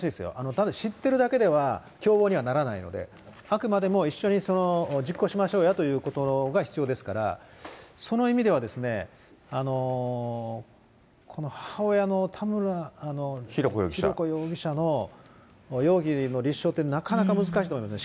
ただ、知ってるだけでは共謀にはならないので、あくまでも一緒に実行しましょうやというところが必要ですから、その意味では、この母親の田村浩子容疑者の容疑の立証ってなかなか難しいと思いますね。